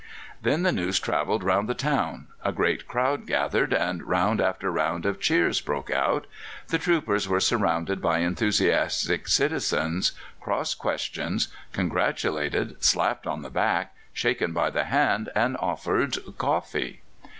Then the news travelled round the town; a great crowd gathered, and round after round of cheers broke out. The troopers were surrounded by enthusiastic citizens, cross questioned, congratulated, slapped on the back, shaken by the hand, and offered coffee!